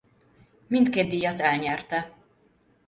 Mindkét díjat elnyerte.